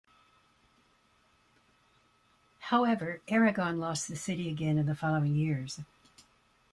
However, Aragon lost the city again in the following years.